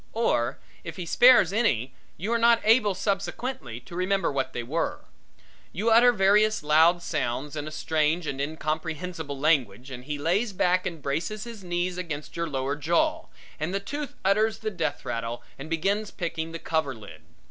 Or if he spares any you are not able subsequently to remember what they were. You utter various loud sounds in a strange and incomprehensible language and he lays back and braces his knees against your lower jaw, and the tooth utters the death rattle and begins picking the cover lid.